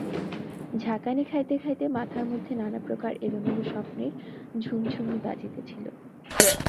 ঝাঁকানি খাইতে খাইতে মাথার মধ্যে নানাপ্রকার এলোমেলো স্বপ্নের ঝুমঝুমি বাজিতেছিল।